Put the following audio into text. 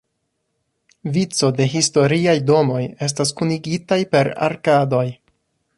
Vico da historiaj domoj estas kunigitaj per arkadoj.